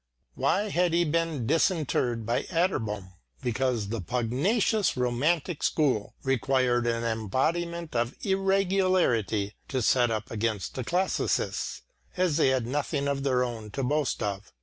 Why had he been disinterred by Atterbom? Because the pugnacious romantic school required an embodiment of irregularity to set up against the classicists, as they had nothing of their own to boast of.